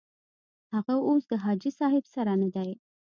هغه اوس د حاجي صاحب سره دی.